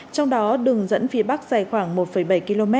trong đó đường dẫn phía bắc dài khoảng một bảy km